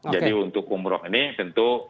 jadi untuk umroh ini tentu